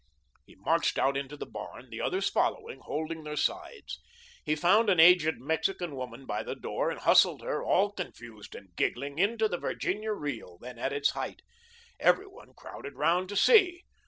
He marched out into the barn, the others following, holding their sides. He found an aged Mexican woman by the door and hustled her, all confused and giggling, into the Virginia reel, then at its height. Every one crowded around to see.